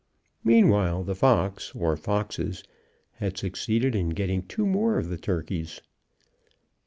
Meanwhile the fox (or foxes) had succeeded in getting two more of the turkeys.